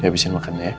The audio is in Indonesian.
dihabisin makan ya